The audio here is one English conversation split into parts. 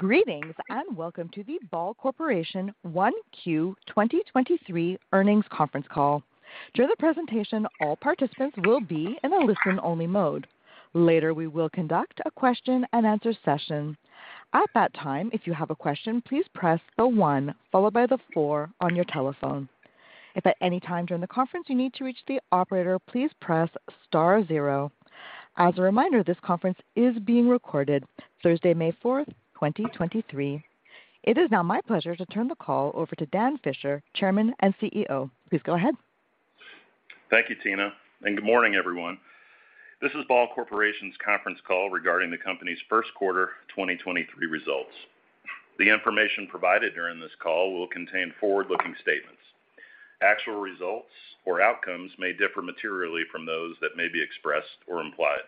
Greetings, welcome to the Ball Corporation 1Q 2023 earnings conference call. During the presentation, all participants will be in a listen-only mode. Later, we will conduct a question-and-answer session. At that time, if you have a question, please press the one followed by the four on your telephone. If at any time during the conference you need to reach the operator, please press star zero. As a reminder, this conference is being recorded Thursday, May fourth, 2023. It is now my pleasure to turn the call over to Dan Fisher, Chairman and CEO. Please go ahead. Thank you, Tina. Good morning, everyone. This is Ball Corporation's conference call regarding the company's first quarter 2023 results. The information provided during this call will contain forward-looking statements. Actual results or outcomes may differ materially from those that may be expressed or implied.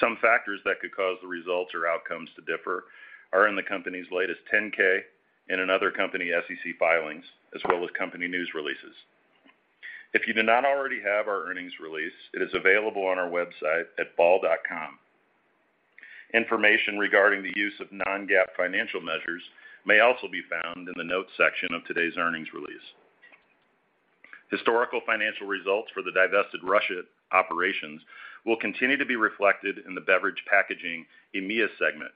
Some factors that could cause the results or outcomes to differ are in the company's latest 10-K and in other company SEC filings, as well as company news releases. If you do not already have our earnings release, it is available on our website at ball.com. Information regarding the use of non-GAAP financial measures may also be found in the notes section of today's earnings release. Historical financial results for the divested Russia operations will continue to be reflected in the beverage packaging EMEA segment.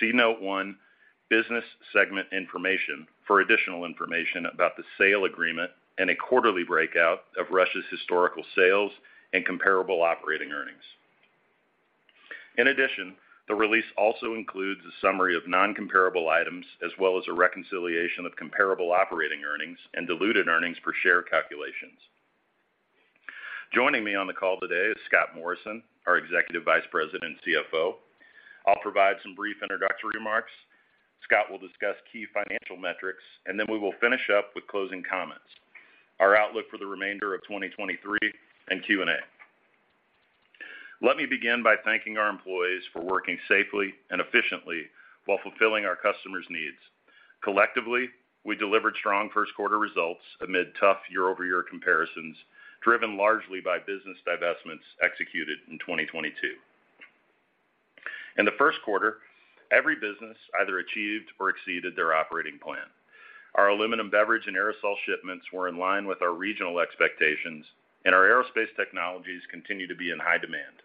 See note one, business segment information for additional information about the sale agreement and a quarterly breakout of Russia's historical sales and comparable operating earnings. In addition, the release also includes a summary of non-comparable items as well as a reconciliation of comparable operating earnings and diluted earnings per share calculations. Joining me on the call today is Scott Morrison, our Executive Vice President and CFO. I'll provide some brief introductory remarks. Scott will discuss key financial metrics. We will finish up with closing comments, our outlook for the remainder of 2023 and Q&A. Let me begin by thanking our employees for working safely and efficiently while fulfilling our customers' needs. Collectively, we delivered strong first quarter results amid tough year-over-year comparisons, driven largely by business divestments executed in 2022. In the first quarter, every business either achieved or exceeded their operating plan. Our aluminum beverage and aerosol shipments were in line with our regional expectations, and our aerospace technologies continue to be in high demand.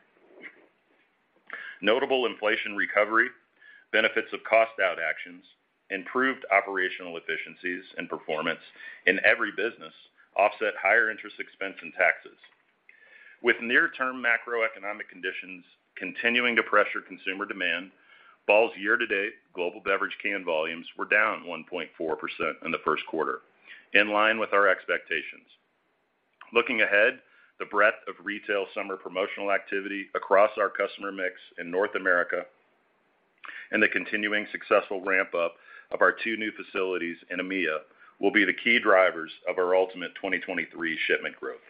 Notable inflation recovery, benefits of cost out actions, improved operational efficiencies and performance in every business offset higher interest expense and taxes. With near term macroeconomic conditions continuing to pressure consumer demand, Ball's year-to-date global beverage can volumes were down 1.4% in the first quarter, in line with our expectations. Looking ahead, the breadth of retail summer promotional activity across our customer mix in North America and the continuing successful ramp-up of our two new facilities in EMEA will be the key drivers of our ultimate 2023 shipment growth.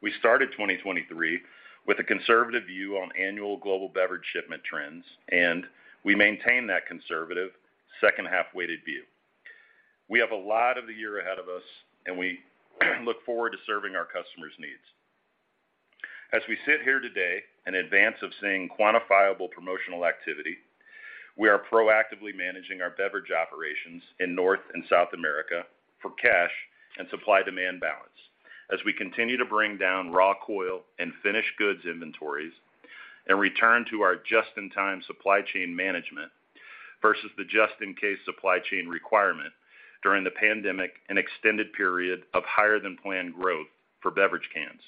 We started 2023 with a conservative view on annual global beverage shipment trends, and we maintain that conservative second half-weighted view. We have a lot of the year ahead of us, and we look forward to serving our customers' needs. As we sit here today in advance of seeing quantifiable promotional activity, we are proactively managing our beverage operations in North and South America for cash and supply-demand balance as we continue to bring down raw coil and finished goods inventories and return to our just-in-time supply chain management versus the just-in-case supply chain requirement during the pandemic and extended period of higher-than-planned growth for beverage cans.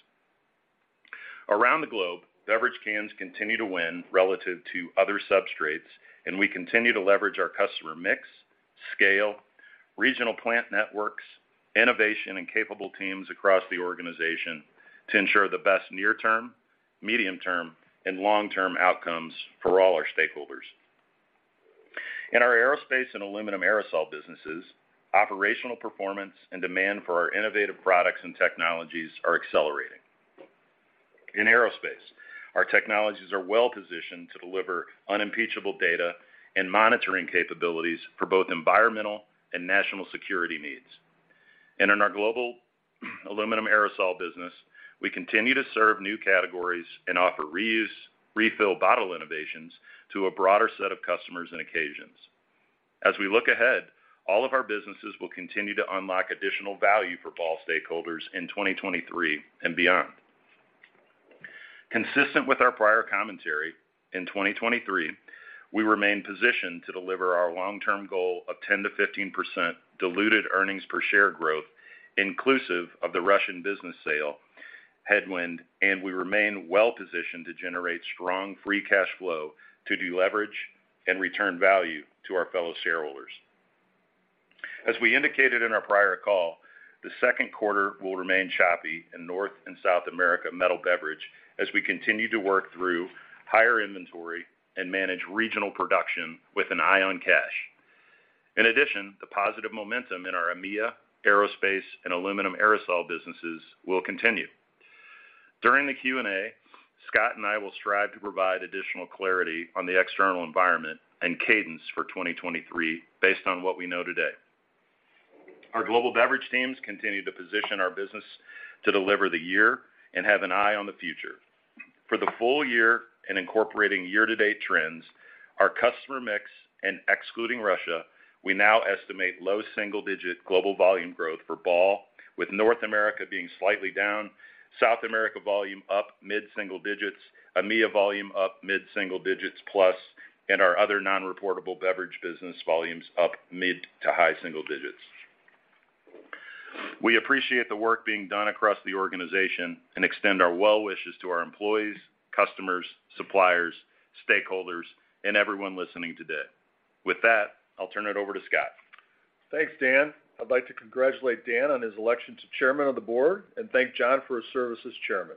Around the globe, beverage cans continue to win relative to other substrates, and we continue to leverage our customer mix, scale, regional plant networks, innovation, and capable teams across the organization to ensure the best near term, medium term, and long-term outcomes for all our stakeholders. In our aerospace and aluminum aerosol businesses, operational performance and demand for our innovative products and technologies are accelerating. In aerospace, our technologies are well positioned to deliver unimpeachable data and monitoring capabilities for both environmental and national security needs. In our global aluminum aerosol business, we continue to serve new categories and offer reuse refill bottle innovations to a broader set of customers and occasions. As we look ahead, all of our businesses will continue to unlock additional value for Ball stakeholders in 2023 and beyond. Consistent with our prior commentary, in 2023, we remain positioned to deliver our long-term goal of 10%-15% diluted earnings per share growth inclusive of the Russian business sale headwind, we remain well positioned to generate strong free cash flow to deleverage and return value to our fellow shareholders. As we indicated in our prior call, the second quarter will remain choppy in North and South America metal beverage as we continue to work through higher inventory and manage regional production with an eye on cash. In addition, the positive momentum in our EMEA, aerospace, and aluminum aerosol businesses will continue. During the Q&A, Scott and I will strive to provide additional clarity on the external environment and cadence for 2023 based on what we know today. Our global beverage teams continue to position our business to deliver the year and have an eye on the future. For the full year and incorporating year-to-date trends, our customer mix and excluding Russia, we now estimate low single-digit global volume growth for Ball, with North America being slightly down, South America volume up mid-single digits, EMEA volume up mid-single digits plus, and our other non-reportable beverage business volumes up mid to high single digits. We appreciate the work being done across the organization and extend our well wishes to our employees, customers, suppliers, stakeholders, and everyone listening today. With that, I'll turn it over to Scott. Thanks, Dan. I'd like to congratulate Dan on his election to Chairman of the Board and thank John for his service as Chairman.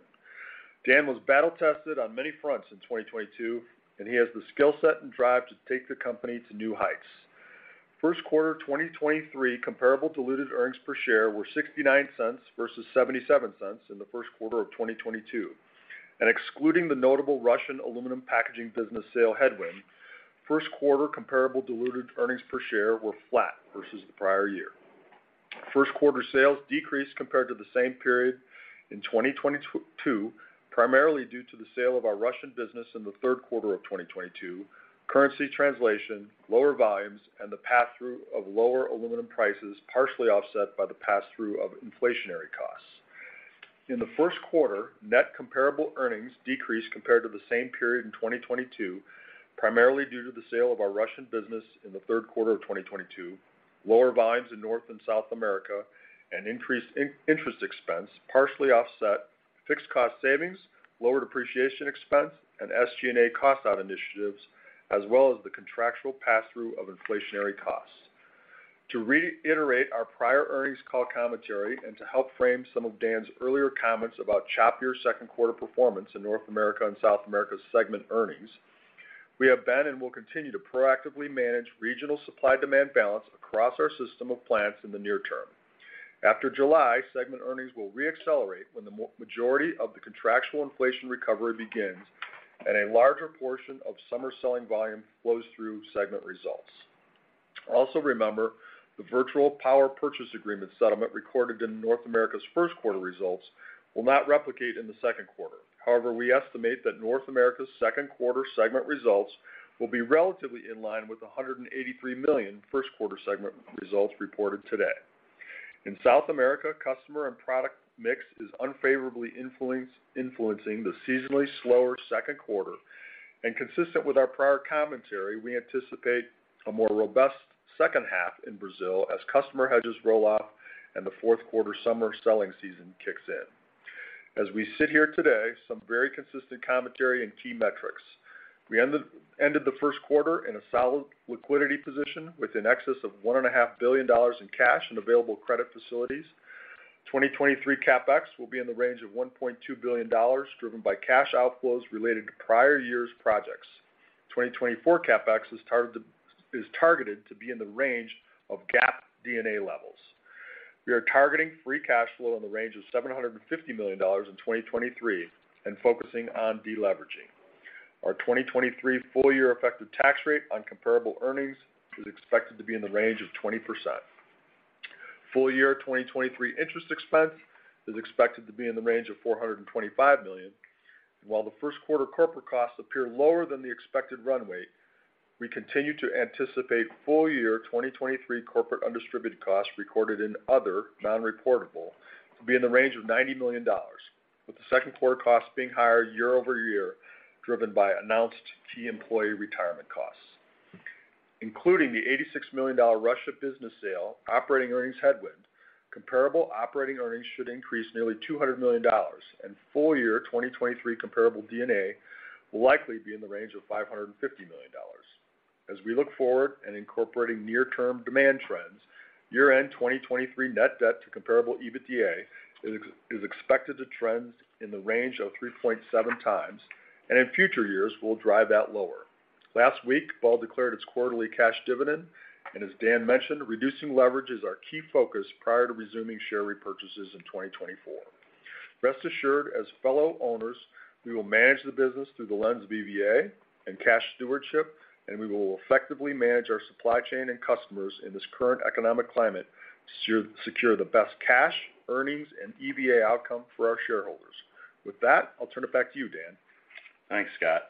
Dan was battle tested on many fronts in 2022. He has the skill set and drive to take the company to new heights. First quarter 2023 comparable diluted earnings per share were $0.69 versus $0.77 in the First quarter of 2022. Excluding the notable Russian aluminum packaging business sale headwind, First quarter comparable diluted earnings per share were flat versus the prior year. First quarter sales decreased compared to the same period in 2022, primarily due to the sale of our Russian business in the Third quarter of 2022, currency translation, lower volumes, and the passthrough of lower aluminum prices, partially offset by the passthrough of inflationary costs. In the first quarter, net comparable earnings decreased compared to the same period in 2022, primarily due to the sale of our Russian business in the third quarter of 2022, lower volumes in North and South America, and increased interest expense, partially offset fixed cost savings, lower depreciation expense, and SG&A cost out initiatives, as well as the contractual passthrough of inflationary costs. To reiterate our prior earnings call commentary and to help frame some of Dan's earlier comments about chop your second quarter performance in North America and South America's segment earnings, we have been and will continue to proactively manage regional supply-demand balance across our system of plants in the near term. After July, segment earnings will re-accelerate when the majority of the contractual inflation recovery begins and a larger portion of summer selling volume flows through segment results. Also remember, the virtual power purchase agreement settlement recorded in North America's first quarter results will not replicate in the second quarter. We estimate that North America's second quarter segment results will be relatively in line with the $183 million first quarter segment results reported today. In South America, customer and product mix is unfavorably influencing the seasonally slower second quarter. Consistent with our prior commentary, we anticipate a more robust second half in Brazil as customer hedges roll off and the fourth quarter summer selling season kicks in. As we sit here today, some very consistent commentary and key metrics. We ended the first quarter in a solid liquidity position with an excess of one and a half billion dollars in cash and available credit facilities. 2023 CapEx will be in the range of $1.2 billion, driven by cash outflows related to prior years' projects. 2024 CapEx is targeted to be in the range of GAAP D&A levels. We are targeting free cash flow in the range of $750 million in 2023 and focusing on deleveraging. Our 2023 full year effective tax rate on comparable earnings is expected to be in the range of 20%. Full year 2023 interest expense is expected to be in the range of $425 million. While the first quarter corporate costs appear lower than the expected runway, we continue to anticipate full year 2023 corporate undistributed costs recorded in other non-reportable to be in the range of $90 million, with the second quarter costs being higher year-over-year, driven by announced key employee retirement costs. Including the $86 million Russia business sale, operating earnings headwind, comparable operating earnings should increase nearly $200 million, and full year 2023 comparable D&A will likely be in the range of $550 million. As we look forward and incorporating near term demand trends, year-end 2023 net debt to comparable EBITDA is expected to trend in the range of 3.7x, and in future years, we'll drive that lower. Last week, Ball declared its quarterly cash dividend. As Dan mentioned, reducing leverage is our key focus prior to resuming share repurchases in 2024. Rest assured, as fellow owners, we will manage the business through the lens of EVA and cash stewardship. We will effectively manage our supply chain and customers in this current economic climate to secure the best cash, earnings, and EVA outcome for our shareholders. With that, I'll turn it back to you, Dan. Thanks, Scott.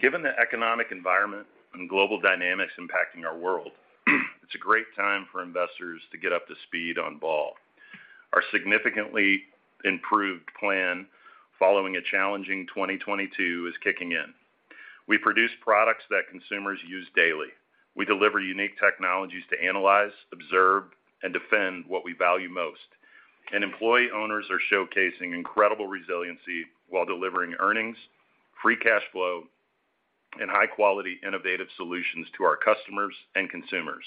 Given the economic environment and global dynamics impacting our world, it's a great time for investors to get up to speed on Ball. Our significantly improved plan following a challenging 2022 is kicking in. We produce products that consumers use daily. We deliver unique technologies to analyze, observe, and defend what we value most. Employee owners are showcasing incredible resiliency while delivering earnings, free cash flow, and high-quality innovative solutions to our customers and consumers.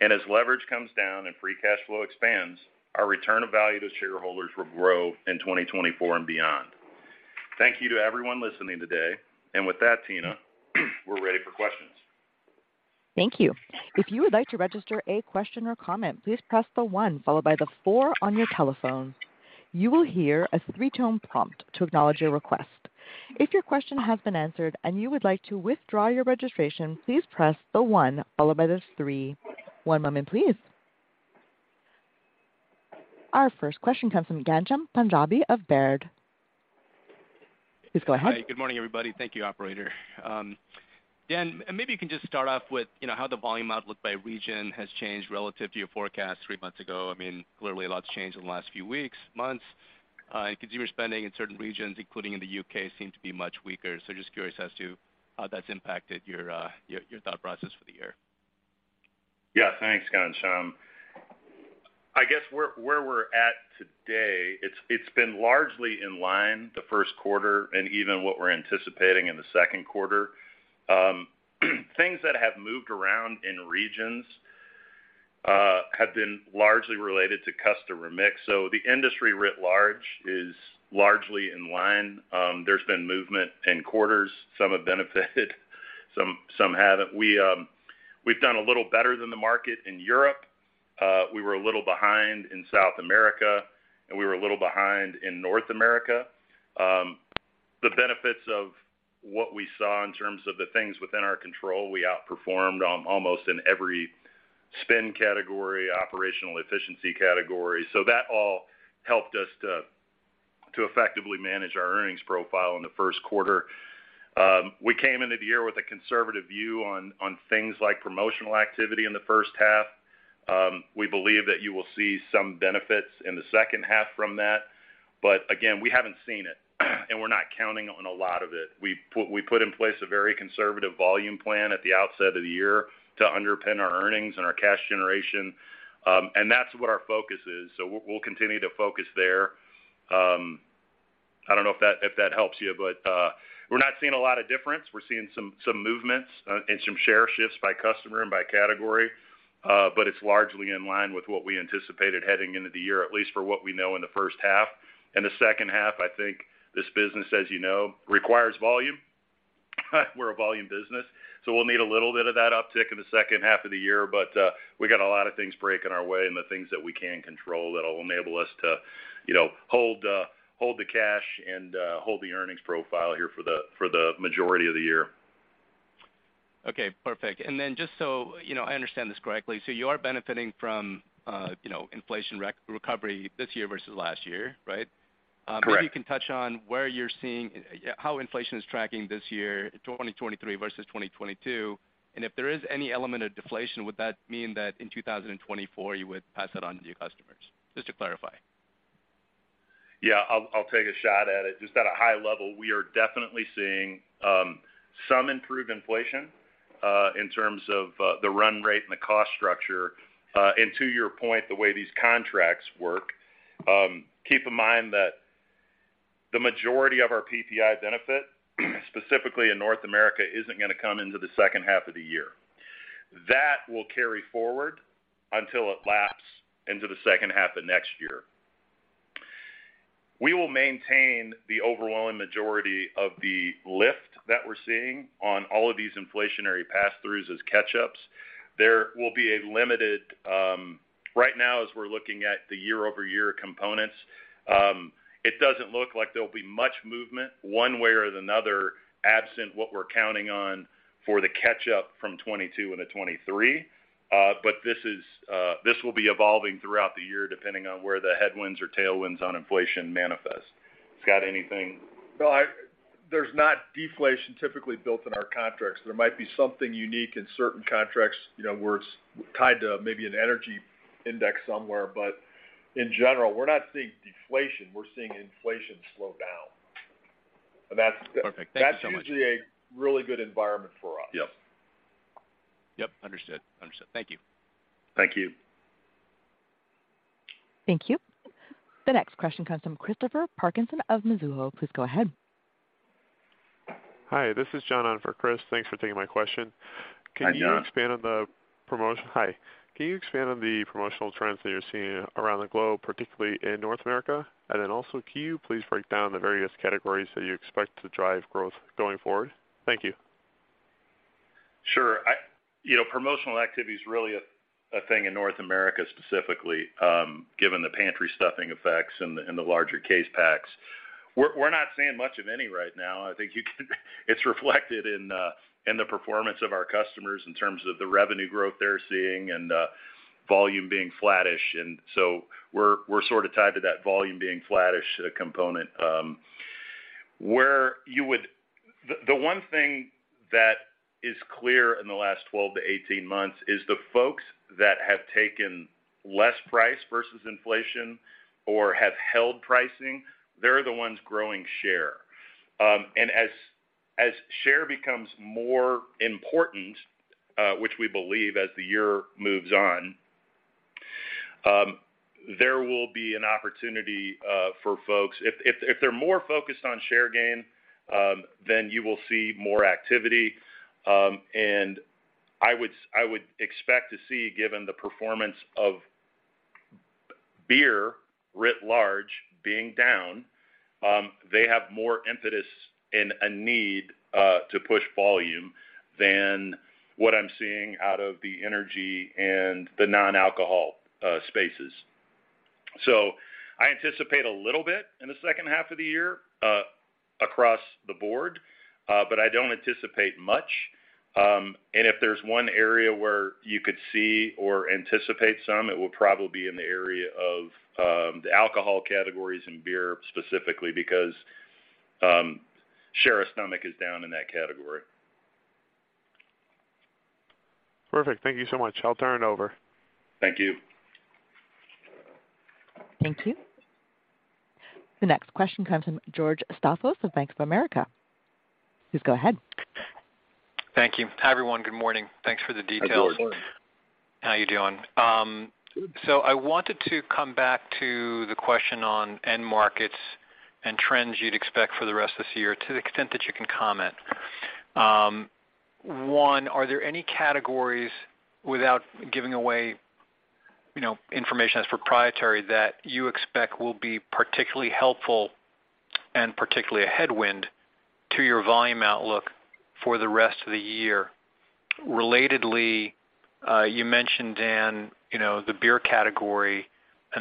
As leverage comes down and free cash flow expands, our return of value to shareholders will grow in 2024 and beyond. Thank you to everyone listening today. With that, Tina, we're ready for questions. Thank you. If you would like to register a question or comment, please press the one followed by the four on your telephone. You will hear a three-tone prompt to acknowledge your request. If your question has been answered and you would like to withdraw your registration, please press the one followed by the three. One moment please. Our first question comes from Ghansham Panjabi of Baird. Please go ahead. Hi, good morning, everybody. Thank you, operator. Dan, maybe you can just start off with, you know, how the volume outlook by region has changed relative to your forecast 3 months ago. I mean, clearly a lot's changed in the last few weeks, months. Consumer spending in certain regions, including in the U.K., seem to be much weaker. Just curious as to how that's impacted your thought process for the year. Yeah, thanks, Gunjan. I guess where we're at today, it's been largely in line the first quarter and even what we're anticipating in the second quarter. Things that have moved around in regions have been largely related to customer mix. The industry writ large is largely in line. There's been movement in quarters. Some have benefited, some haven't. We've done a little better than the market in Europe. We were a little behind in South America, and we were a little behind in North America. The benefits of what we saw in terms of the things within our control, we outperformed on almost in every spend category, operational efficiency category. That all helped us to effectively manage our earnings profile in the first quarter. We came into the year with a conservative view on things like promotional activity in the first half. We believe that you will see some benefits in the second half from that. Again, we haven't seen it, and we're not counting on a lot of it. We put in place a very conservative volume plan at the outset of the year to underpin our earnings and our cash generation. That's what our focus is. We'll continue to focus there. I don't know if that, if that helps you, but we're not seeing a lot of difference. We're seeing some movements, and some share shifts by customer and by category, but it's largely in line with what we anticipated heading into the year, at least for what we know in the first half. In the second half, I think this business, as you know, requires volume. We're a volume business, so we'll need a little bit of that uptick in the second half of the year. We got a lot of things breaking our way and the things that we can control that'll enable us to, you know, hold the cash and, hold the earnings profile here for the, for the majority of the year. Okay, perfect. Just so, you know, I understand this correctly, so you are benefiting from, you know, inflation recovery this year versus last year, right? Correct. Maybe you can touch on where you're seeing how inflation is tracking this year, 2023 versus 2022. If there is any element of deflation, would that mean that in 2024 you would pass that on to your customers? Just to clarify. Yeah. I'll take a shot at it. Just at a high level, we are definitely seeing some improved inflation in terms of the run rate and the cost structure. To your point, the way these contracts work, keep in mind that the majority of our PPI benefit, specifically in North America, isn't gonna come into the second half of the year. That will carry forward until it laps into the second half of next year. We will maintain the overwhelming majority of the lift that we're seeing on all of these inflationary passthroughs as catch-ups. There will be a limited. Right now, as we're looking at the year-over-year components, it doesn't look like there'll be much movement one way or another, absent what we're counting on for the catch-up from 2022 into 2023. This is, this will be evolving throughout the year depending on where the headwinds or tailwinds on inflation manifest. Scott, anything? No, there's not deflation typically built in our contracts. There might be something unique in certain contracts, you know, where it's tied to maybe an energy index somewhere. In general, we're not seeing deflation. We're seeing inflation slow down. Perfect. Thank you so much. That's usually a really good environment for us. Yep. Yep. Understood. Understood. Thank you. Thank you. Thank you. The next question comes from Christopher Parkinson of Mizuho. Please go ahead. Hi, this is John on for Chris. Thanks for taking my question. Hi, John. Hi. Can you expand on the promotional trends that you're seeing around the globe, particularly in North America? And then also, can you please break down the various categories that you expect to drive growth going forward? Thank you. Sure. You know, promotional activity is really a thing in North America specifically, given the pantry stuffing effects and the larger case packs. We're not seeing much of any right now. I think it's reflected in the performance of our customers in terms of the revenue growth they're seeing and volume being flattish. We're sort of tied to that volume being flattish component. The one thing that is clear in the last 12-18 months is the folks that have taken less price versus inflation or have held pricing, they're the ones growing share. As share becomes more important, which we believe as the year moves on, there will be an opportunity for folks. If they're more focused on share gain, then you will see more activity. I would expect to see, given the performance of beer writ large being down, they have more impetus and a need to push volume than what I'm seeing out of the energy and the non-alcohol spaces. I anticipate a little bit in the second half of the year across the board, but I don't anticipate much. If there's one area where you could see or anticipate some, it will probably be in the area of the alcohol categories and beer specifically because share of stomach is down in that category. Perfect. Thank you so much. I'll turn it over. Thank you. Thank you. The next question comes from George Staphos of Bank of America. Please go ahead. Thank you. Hi, everyone. Good morning. Thanks for the details. Hi, George. How are you doing? I wanted to come back to the question on end markets and trends you'd expect for the rest of this year to the extent that you can comment. One, are there any categories without giving away, you know, information that's proprietary that you expect will be particularly helpful and particularly a headwind to your volume outlook for the rest of the year? Relatedly, you mentioned, Dan, you know, the beer category,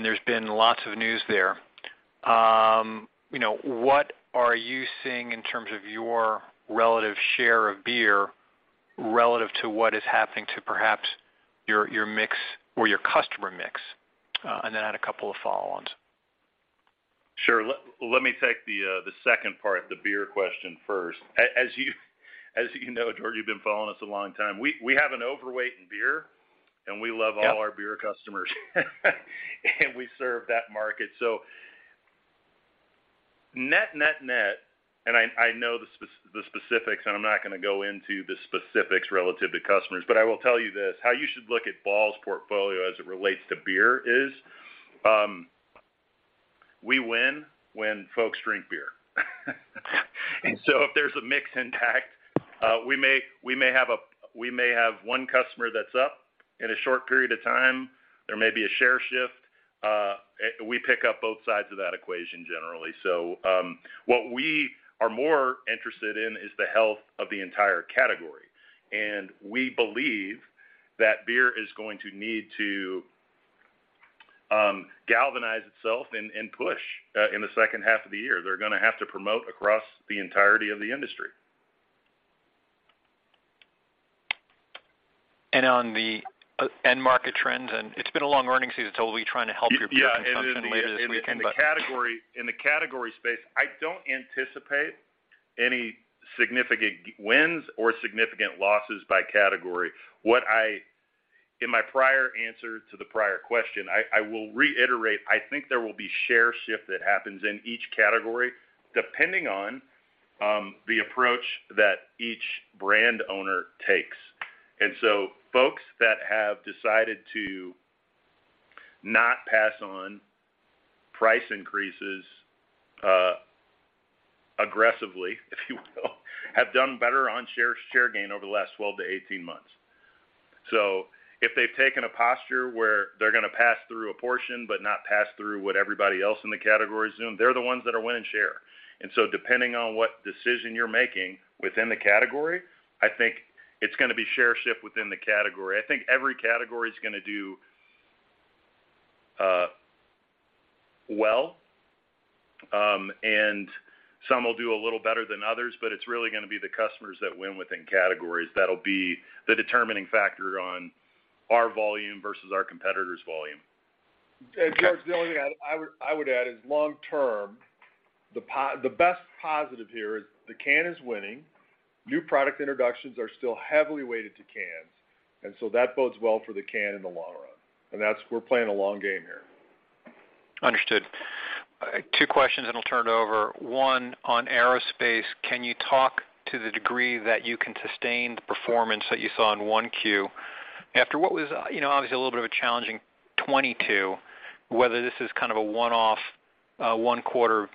there's been lots of news there. You know, what are you seeing in terms of your relative share of beer relative to what is happening to perhaps your mix or your customer mix? Add a couple of follow-ons. Sure. Let me take the second part, the beer question first. As you know, George, you've been following us a long time. We have an overweight in beer, we love all our beer customers, we serve that market. Net, net, I know the specifics, I'm not gonna go into the specifics relative to customers, I will tell you this. How you should look at Ball's portfolio as it relates to beer is, we win when folks drink beer. If there's a mix impact, we may have one customer that's up in a short period of time. There may be a share shift. We pick up both sides of that equation generally. What we are more interested in is the health of the entire category. We believe that beer is going to need to galvanize itself and push in the second half of the year. They're gonna have to promote across the entirety of the industry. On the end market trends, and it's been a long earnings season, so we'll be trying to help your beer consumption later this weekend. Yeah. In the category, in the category space, I don't anticipate any significant wins or significant losses by category. What I In my prior answer to the prior question, I will reiterate, I think there will be share shift that happens in each category depending on the approach that each brand owner takes. Folks that have decided to not pass on price increases aggressively, if you will, have done better on share gain over the last 12-18 months. If they've taken a posture where they're gonna pass through a portion but not pass through what everybody else in the category assume, they're the ones that are winning share. Depending on what decision you're making within the category, I think it's gonna be share shift within the category. I think every category is gonna do, well, some will do a little better than others, but it's really gonna be the customers that win within categories. That'll be the determining factor on our volume versus our competitor's volume. George, the only thing I would add is long term, the best positive here is the can is winning. New product introductions are still heavily weighted to cans, and so that bodes well for the can in the long run. We're playing a long game here. Understood. Two questions, I'll turn it over. One, on aerospace, can you talk to the degree that you can sustain the performance that you saw in 1Q after what was, you know, obviously a little bit of a challenging 2022, whether this is kind of a one-off, one quarter,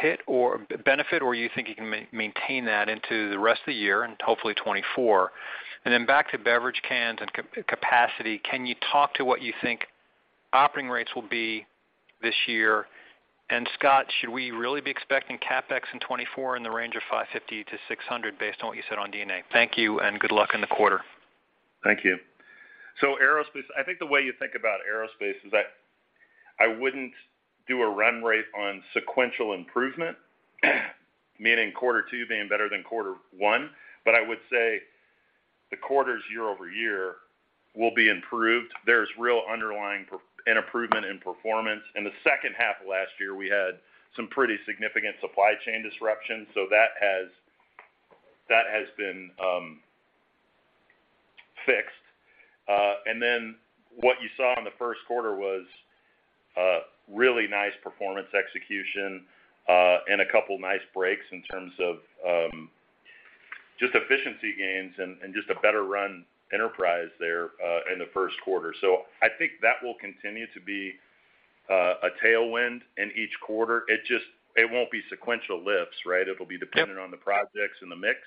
hit or benefit, or you think you can maintain that into the rest of the year and hopefully 2024. Back to beverage cans and capacity, can you talk to what you think operating rates will be this year? Scott, should we really be expecting CapEx in 2024 in the range of $550-$600 based on what you said on D&A? Thank you, and good luck in the quarter. Thank you. Aerospace, I think the way you think about aerospace is that I wouldn't do a run rate on sequential improvement, meaning quarter two being better than quarter one. I would say the quarters year-over-year will be improved. There's real underlying an improvement in performance. In the second half of last year, we had some pretty significant supply chain disruption, that has been fixed. What you saw in the first quarter was a really nice performance execution, and a couple nice breaks in terms of just efficiency gains and just a better run enterprise there, in the first quarter. I think that will continue to be a tailwind in each quarter. It won't be sequential lifts, right? It'll be dependent on the projects and the mix,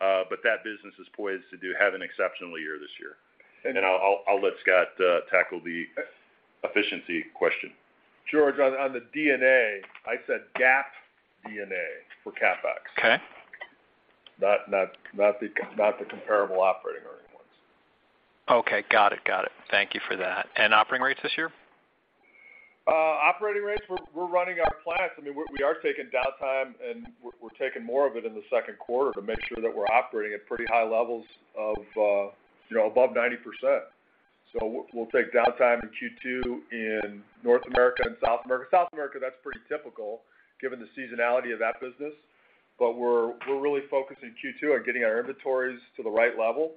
but that business is poised to have an exceptional year this year. I'll let Scott tackle the efficiency question. George, on the D&A, I said GAAP D&A for CapEx. Okay. Not the comparable operating earnings. Okay. Got it. Got it. Thank you for that. Operating rates this year? Operating rates, we're running our plants. I mean, we are taking downtime, and we're taking more of it in the second quarter to make sure that we're operating at pretty high levels of, you know, above 90%. We'll take downtime in Q2 in North America and South America. South America, that's pretty typical given the seasonality of that business. We're, we're really focused in Q2 on getting our inventories to the right level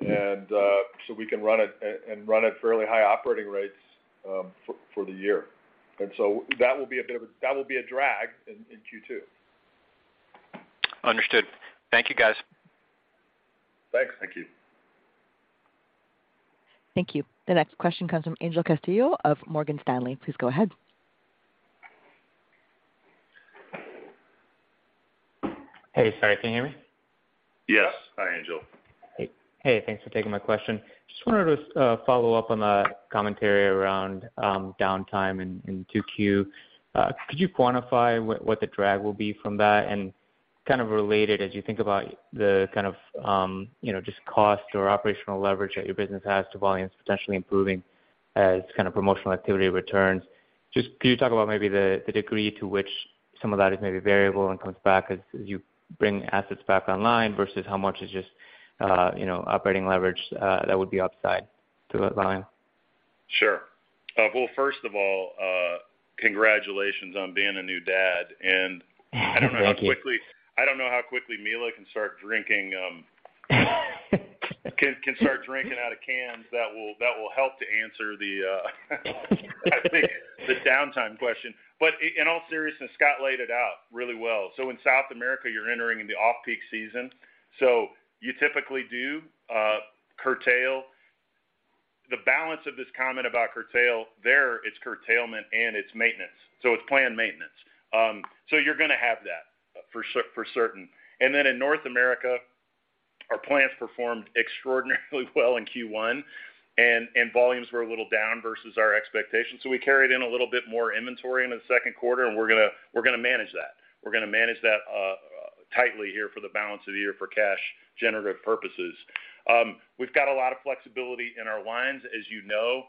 and so we can run at fairly high operating rates for the year. That will be a drag in Q2. Understood. Thank you, guys. Thanks. Thank you. Thank you. The next question comes from Angel Castillo of Morgan Stanley. Please go ahead. Hey. Sorry, can you hear me? Yes. Hi, Angel. Hey. Hey, thanks for taking my question. Just wanted to follow up on the commentary around downtime in 2Q. Could you quantify what the drag will be from that? Kind of related, as you think about the kind of, you know, just cost or operational leverage that your business has to volumes potentially improving as kind of promotional activity returns, just could you talk about maybe the degree to which some of that is maybe variable and comes back as you bring assets back online versus how much is just, you know, operating leverage that would be upside to that volume? Sure. Well, first of all, congratulations on being a new dad. Thank you. I don't know how quickly, I don't know how quickly Mila can start drinking out of cans that will, that will help to answer the I think the downtime question. In all seriousness, Scott laid it out really well. In South America, you're entering in the off-peak season, so you typically do curtail. The balance of this comment about curtail, there it's curtailment and it's maintenance, so it's planned maintenance. You're gonna have that for certain. Then in North America, our plants performed extraordinarily well in Q1, volumes were a little down versus our expectations, so we carried in a little bit more inventory into the second quarter, we're gonna manage that. We're gonna manage that tightly here for the balance of the year for cash generative purposes. We've got a lot of flexibility in our lines as you know.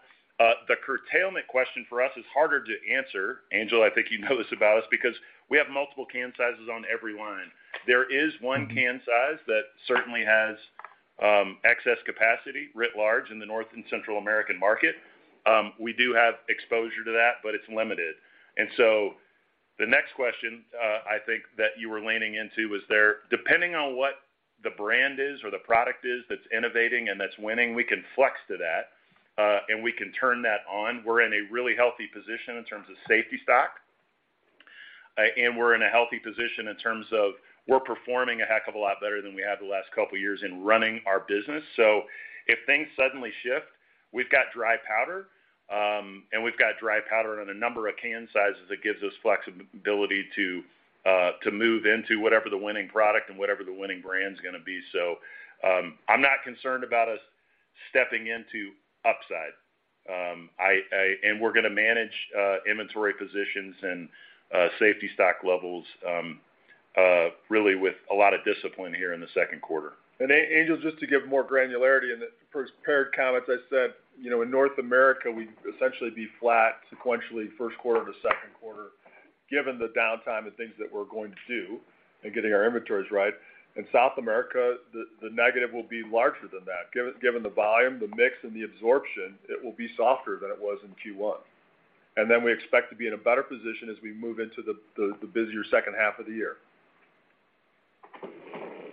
The curtailment question for us is harder to answer, Angel, I think you know this about us, because we have multiple can sizes on every line. There is one can size that certainly has excess capacity writ large in the North and Central American market. We do have exposure to that, but it's limited. The next question, I think that you were leaning into was there, depending on what the brand is or the product is that's innovating and that's winning, we can flex to that, and we can turn that on. We're in a really healthy position in terms of safety stock. We're in a healthy position in terms of we're performing a heck of a lot better than we have the last couple years in running our business. If things suddenly shift, we've got dry powder, and we've got dry powder in a number of can sizes that gives us flexibility to move into whatever the winning product and whatever the winning brand's gonna be. I'm not concerned about us stepping into upside. And we're gonna manage inventory positions and safety stock levels really with a lot of discipline here in the second quarter. Angel, just to give more granularity in the prepared comments, I said, you know, in North America, we'd essentially be flat sequentially first quarter to second quarter, given the downtime and things that we're going to do and getting our inventories right. In South America, the negative will be larger than that. Given the volume, the mix, and the absorption, it will be softer than it was in Q1. Then we expect to be in a better position as we move into the busier second half of the year.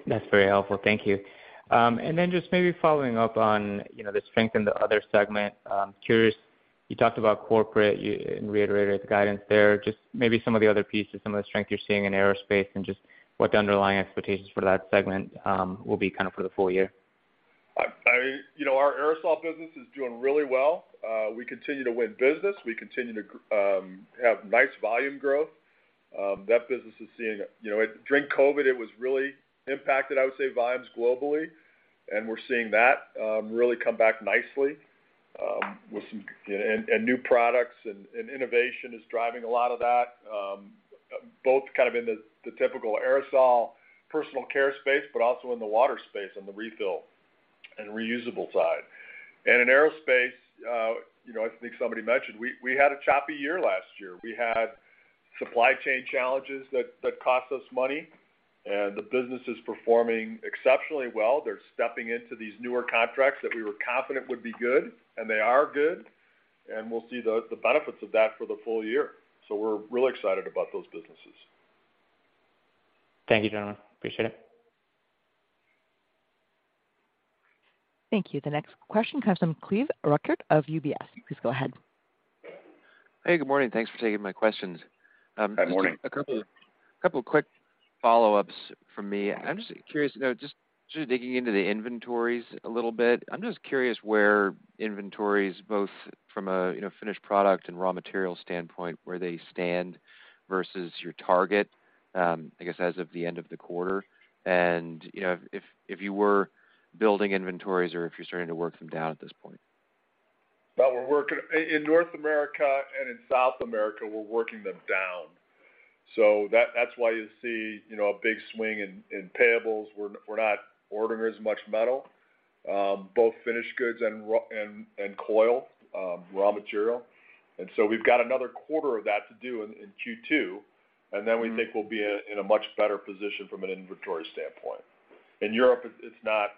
That's very helpful. Thank you. Then just maybe following up on, you know, the strength in the other segment, curious, you talked about corporate, and reiterated the guidance there. Just maybe some of the other pieces, some of the strength you're seeing in aerospace and just what the underlying expectations for that segment, will be kind of for the full year? You know, our aerosol business is doing really well. We continue to win business. We continue to have nice volume growth. That business is seeing You know, during COVID, it was really impacted, I would say, volumes globally, and we're seeing that really come back nicely with some. New products and innovation is driving a lot of that, both kind of in the typical aerosol personal care space, but also in the water space on the refill and reusable side. In aerospace, you know, I think somebody mentioned, we had a choppy year last year. We had supply chain challenges that cost us money, and the business is performing exceptionally well. They're stepping into these newer contracts that we were confident would be good, and they are good, and we'll see the benefits of that for the full year. We're really excited about those businesses. Thank you, gentlemen. Appreciate it. Thank you. The next question comes from Cleve Rueckert of UBS. Please go ahead. Hey, good morning. Thanks for taking my questions. Good morning. Just a couple quick follow-ups from me. I'm just curious, just sort of digging into the inventories a little bit. I'm just curious where inventories, both from a, finished product and raw material standpoint, where they stand versus your target, I guess as of the end of the quarter. If you were building inventories or if you're starting to work them down at this point. We're working in North America and in South America, we're working them down. That's why you see, you know, a big swing in payables. We're not ordering as much metal, both finished goods and raw and coil raw material. We've got another quarter of that to do in Q2, and then we think we'll be in a much better position from an inventory standpoint. In Europe, it's not,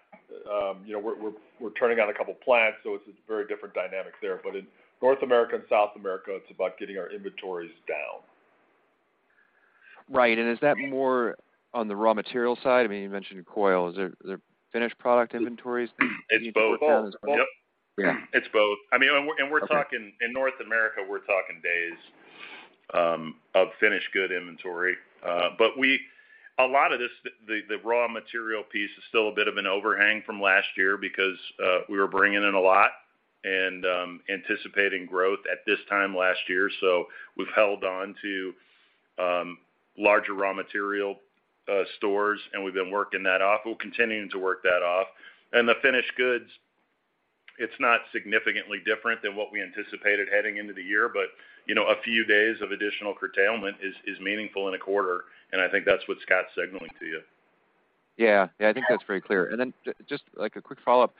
you know, we're turning on a couple plants, so it's a very different dynamic there. In North America and South America, it's about getting our inventories down. Right. Is that more on the raw material side? I mean, you mentioned coil. Are there finished product inventories that you need to work down as well? It's both. Yep. Yeah. It's both. I mean, we're. Okay. In North America, we're talking days of finished good inventory. A lot of this, the raw material piece is still a bit of an overhang from last year because we were bringing in a lot and anticipating growth at this time last year. We've held on to larger raw material stores, and we've been working that off. We're continuing to work that off. The finished goods, it's not significantly different than what we anticipated heading into the year. You know, a few days of additional curtailment is meaningful in a quarter, and I think that's what Scott's signaling to you. Yeah. Yeah, I think that's very clear. Just like a quick follow-up.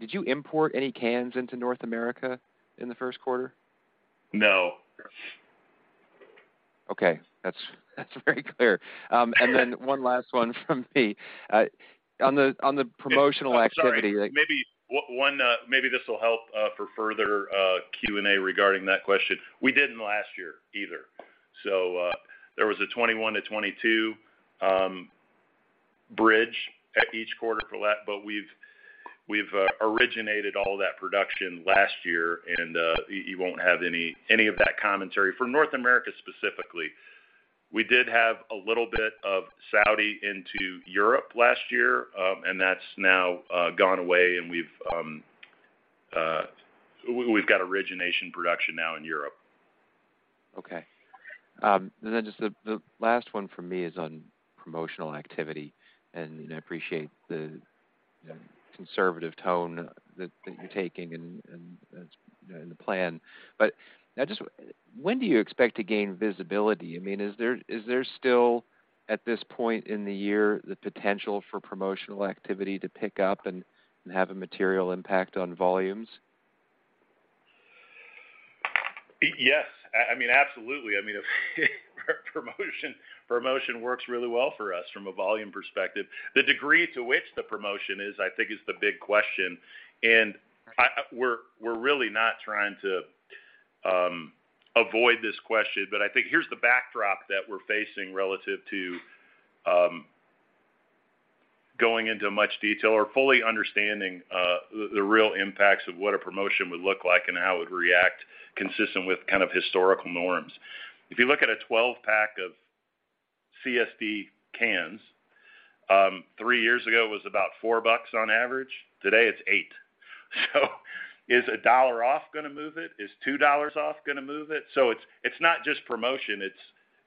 Did you import any cans into North America in the first quarter? No. Okay. That's very clear. One last one from me. On the promotional activity. I'm sorry. Maybe one, maybe this will help for further Q&A regarding that question. We didn't last year either. There was a 2021-2022 bridge at each quarter for that, but we've originated all that production last year and you won't have any of that commentary for North America specifically. We did have a little bit of Saudi into Europe last year, and that's now gone away and we've got origination production now in Europe. Okay. Then just the last one for me is on promotional activity, and I appreciate the conservative tone that you're taking and the plan. Just when do you expect to gain visibility? I mean, is there still, at this point in the year, the potential for promotional activity to pick up and have a material impact on volumes? Yes. I mean, absolutely. I mean, if promotion works really well for us from a volume perspective. The degree to which the promotion is, I think, is the big question. We're really not trying to avoid this question, but I think here's the backdrop that we're facing relative to going into much detail or fully understanding the real impacts of what a promotion would look like and how it would react consistent with kind of historical norms. If you look at a 12-pack of CSD cans, three years ago, it was about $4 on average. Today, it's $8. Is $1 off gonna move it? Is $2 off gonna move it? It's not just promotion,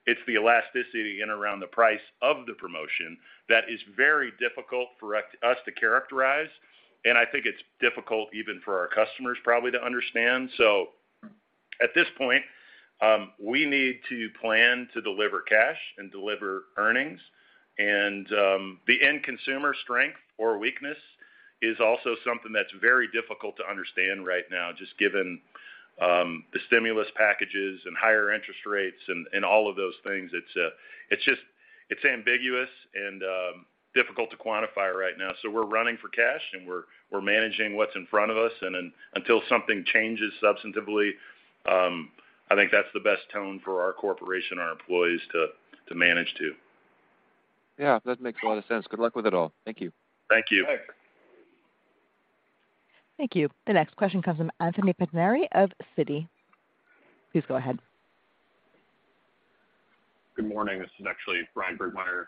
it's the elasticity in around the price of the promotion that is very difficult for us to characterize, and I think it's difficult even for our customers probably to understand. At this point, we need to plan to deliver cash and deliver earnings. The end consumer strength or weakness is also something that's very difficult to understand right now, just given the stimulus packages and higher interest rates and all of those things. It's just, it's ambiguous and difficult to quantify right now. We're running for cash, and we're managing what's in front of us. Until something changes substantively, I think that's the best tone for our corporation, our employees to manage to. Yeah, that makes a lot of sense. Good luck with it all. Thank you. Thank you. Thank you. The next question comes from Anthony Pettinari of Citi. Please go ahead. Good morning. This is actually Bryan Burgmeier,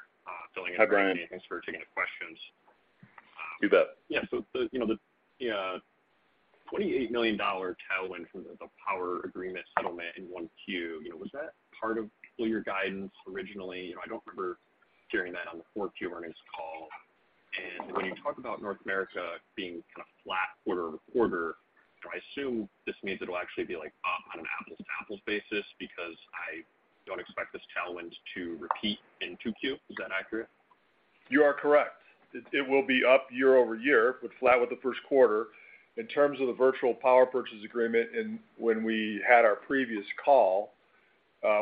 filling in for Anthony. Hi, Bryan. Thanks for taking the questions. You bet. The, you know, the, yeah, $28 million tailwind from the power agreement settlement in 1Q, you know, was that part of pull your guidance originally? You know, I don't remember hearing that on the 4Q earnings call. When you talk about North America being kind of flat quarter-over-quarter, do I assume this means it'll actually be like up on an apples-to-apples basis? Because I don't expect this tailwind to repeat in 2Q. Is that accurate? You are correct. It will be up year-over-year, but flat with the first quarter. In terms of the virtual power purchase agreement and when we had our previous call,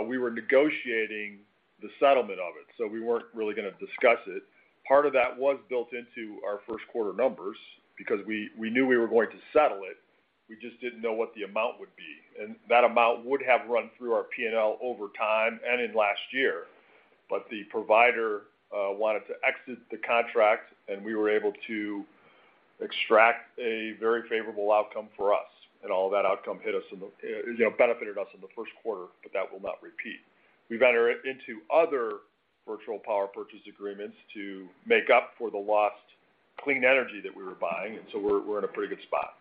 we were negotiating the settlement of it, so we weren't really gonna discuss it. Part of that was built into our first quarter numbers because we knew we were going to settle it, we just didn't know what the amount would be. That amount would have run through our P&L over time and in last year. The provider wanted to exit the contract, and we were able to extract a very favorable outcome for us. All of that outcome hit us, you know, benefited us in the first quarter, but that will not repeat. We've entered into other virtual power purchase agreements to make up for the lost clean energy that we were buying. We're in a pretty good spot.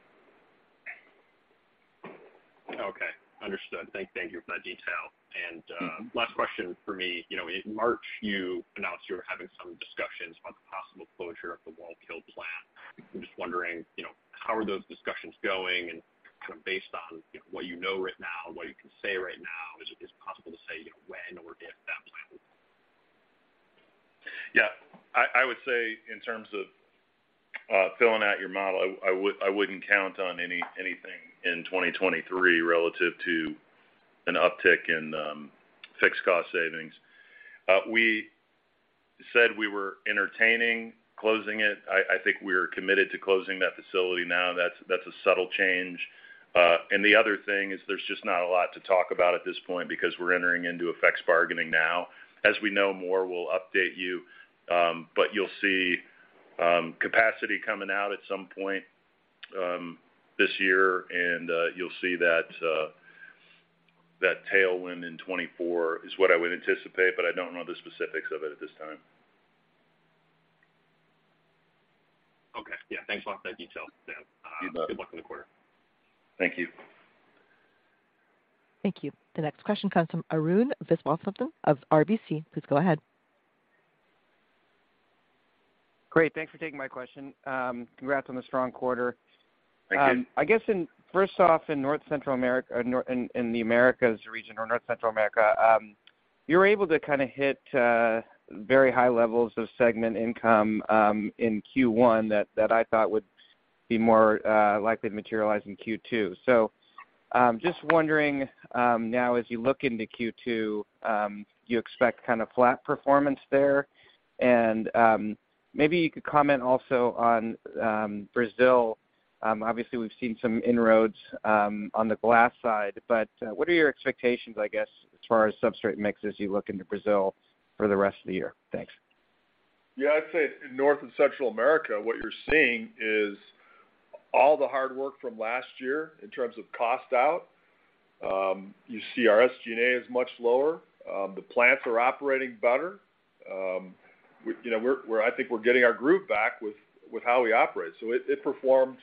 Okay. Understood. Thank you for that detail. Last question for me. You know, in March, you announced you were having some discussions about the possible closure of the Wallkill plant. I'm just wondering, you know, how are those discussions going? Kind of based on, you know, what you know right now, what you can say right now, is it possible to say, you know, when or if that plant will close? Yeah. I would say in terms of filling out your model, I wouldn't count on anything in 2023 relative to an uptick in fixed cost savings. We said we were entertaining closing it. I think we are committed to closing that facility now. That's a subtle change. The other thing is there's just not a lot to talk about at this point because we're entering into effects bargaining now. As we know more, we'll update you. You'll see capacity coming out at some point this year, and you'll see that tailwind in 2024 is what I would anticipate, but I don't know the specifics of it at this time. Okay. Yeah. Thanks a lot for that detail, Dan. You bet. Good luck in the quarter. Thank you. Thank you. The next question comes from Arun Viswanathan of RBC. Please go ahead. Great. Thanks for taking my question. Congrats on the strong quarter. Thank you. I guess first off, in North Central America in the Americas region or North Central America, you're able to kind of hit very high levels of segment income in Q1 that I thought would be more likely to materialize in Q2. Just wondering, now as you look into Q2, you expect kind of flat performance there? Maybe you could comment also on Brazil. Obviously, we've seen some inroads on the glass side, what are your expectations, I guess, as far as substrate mix as you look into Brazil for the rest of the year? Thanks. Yeah. I'd say in North and Central America, what you're seeing is all the hard work from last year in terms of cost out. You see our SG&A is much lower. The plants are operating better. You know, we're I think we're getting our groove back with how we operate. It performed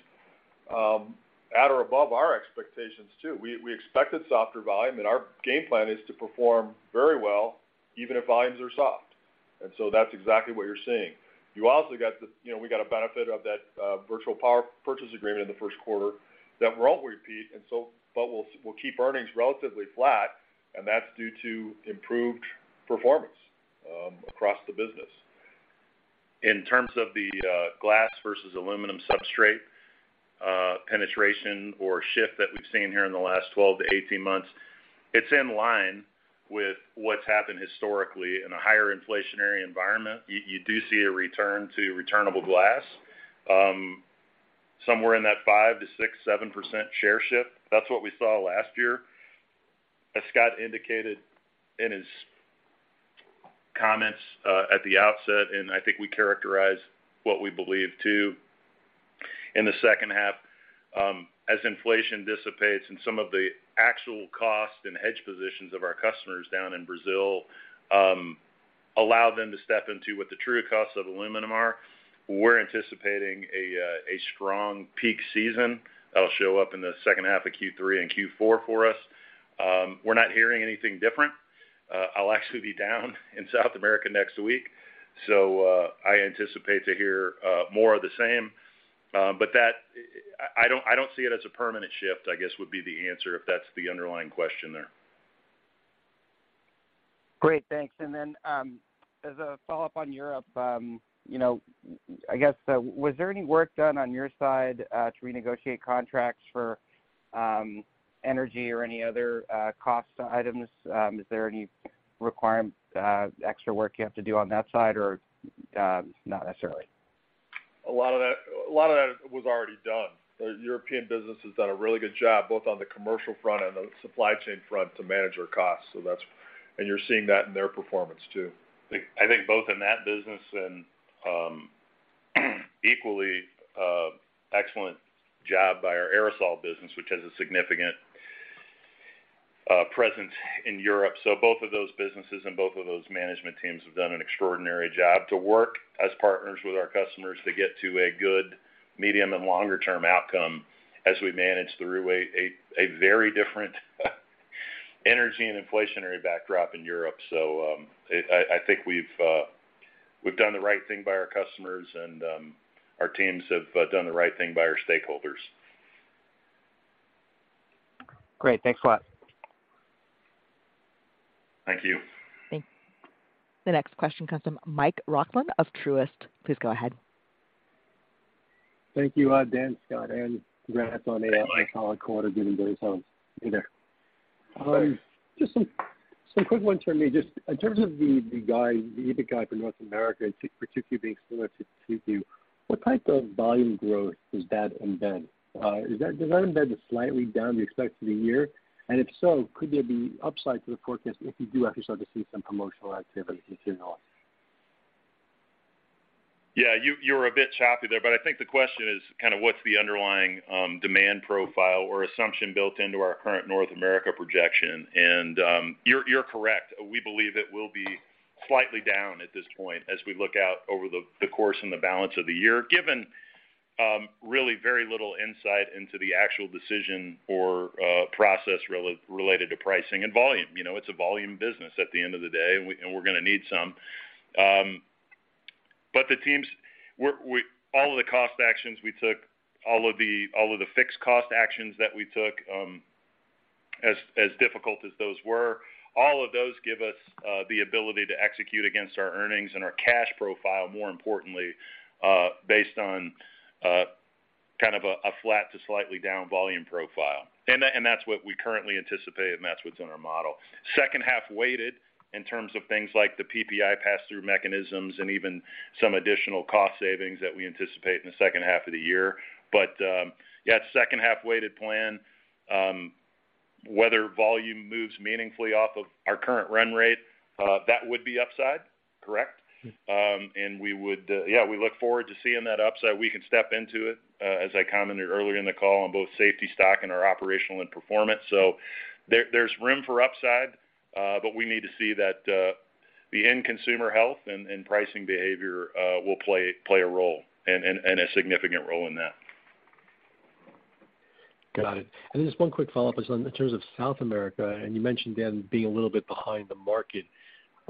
at or above our expectations, too. We expected softer volume, and our game plan is to perform very well, even if volumes are soft. That's exactly what you're seeing. You know, we got a benefit of that virtual power purchase agreement in the first quarter that won't repeat, but we'll keep earnings relatively flat, and that's due to improved performance across the business. In terms of the glass versus aluminum substrate penetration or shift that we've seen here in the last 12-18 months, it's in line with what's happened historically. In a higher inflationary environment, you do see a return to returnable glass, somewhere in that five to six, 7% share shift. That's what we saw last year. As Scott indicated in his comments at the outset, and I think we characterize what we believe too, in the second half, as inflation dissipates and some of the actual cost and hedge positions of our customers down in Brazil allow them to step into what the true costs of aluminum are. We're anticipating a strong peak season that'll show up in the second half of Q3 and Q4 for us. We're not hearing anything different. I'll actually be down in South America next week, so, I anticipate to hear more of the same. I don't see it as a permanent shift, I guess, would be the answer if that's the underlying question there. Great. Thanks. As a follow-up on Europe, you know, I guess, was there any work done on your side, to renegotiate contracts for energy or any other cost items? Is there any requirement, extra work you have to do on that side, or not necessarily? A lot of that was already done. The European business has done a really good job, both on the commercial front and the supply chain front, to manage our costs. You're seeing that in their performance, too. I think both in that business and equally excellent job by our aerosol business, which has a significant presence in Europe. Both of those businesses and both of those management teams have done an extraordinary job to work as partners with our customers to get to a good medium and longer-term outcome as we manage through a very different energy and inflationary backdrop in Europe. I think we've done the right thing by our customers and our teams have done the right thing by our stakeholders. Great. Thanks a lot. Thank you. The next question comes from Mike Roxland of Truist. Please go ahead. Thank you, Dan, Scott, and congrats on. Hi, Mike. solid quarter, given those items. Hey there. Thanks. Just some quick ones from me. Just in terms of the guide, the EPS guide for North America, it's particularly being similar to Q2. What type of volume growth is that embedded? Does that embed a slightly down expect for the year? If so, could there be upside to the forecast if you do actually start to see some promotional activity here on? Yeah. You, you were a bit choppy there, but I think the question is kind of what's the underlying demand profile or assumption built into our current North America projection. You're, you're correct. We believe it will be slightly down at this point as we look out over the course and the balance of the year, given really very little insight into the actual decision or process related to pricing and volume. You know, it's a volume business at the end of the day, and we're gonna need some. The teams. All of the cost actions we took, all of the fixed cost actions that we took, as difficult as those were, all of those give us the ability to execute against our earnings and our cash profile, more importantly, based on kind of a flat to slightly down volume profile. That's what we currently anticipate, and that's what's in our model. Second half weighted in terms of things like the PPI passthrough mechanisms and even some additional cost savings that we anticipate in the second half of the year. Yeah, it's second half-weighted plan, whether volume moves meaningfully off of our current run rate, that would be upside, correct. We would, yeah, we look forward to seeing that upside. We can step into it, as I commented earlier in the call on both safety stock and our operational and performance. There's room for upside, but we need to see that, the end consumer health and pricing behavior, will play a role and a significant role in that. Got it. Just one quick follow-up is on in terms of South America, and you mentioned them being a little bit behind the market.